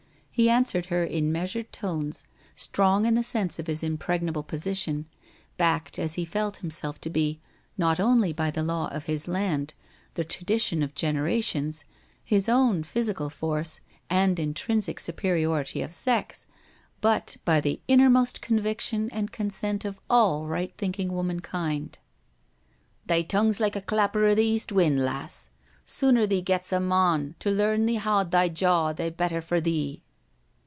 He answered her in measured tones, strong in the sense of his impregnable position, backed as he felt himself to be, not only by the law of his land, the tradition of generations, his own physical force and intrinsic superiority of sex, but by the innermost conviction and consent of all right thinking womankind. *' Thy tongue's lika a clapper i' th' east wind, lass. Sooner thee gets a mon to learn thee howd thy jaw th' better for thee."